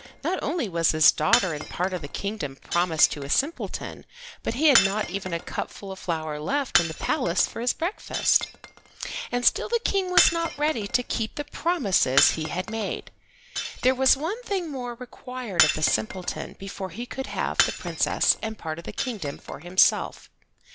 Not only was his daughter and part of the kingdom promised to a simpleton, but he had not even a cupful of flour left in the palace for his breakfast. And still the King was not ready to keep the promises he had made. There was one thing more required of the simpleton before he could have the Princess and part of the kingdom for himself.